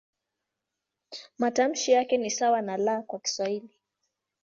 Matamshi yake ni sawa na "L" kwa Kiswahili.